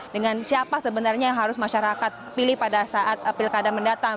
dengan siapa sebenarnya yang harus masyarakat pilih pada saat pilkada mendatang